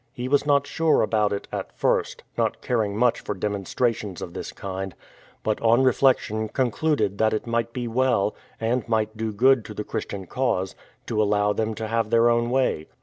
He was not sure about it at first, not caring much for demonstrations of this kind, but on reflection concluded that it might be well, and might do good to the Christian cause, to allow them to have their own way.